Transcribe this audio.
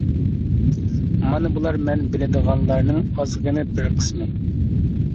مانا بۇلار مەن بىلىدىغانلارنىڭ ئازغىنە بىر قىسمى.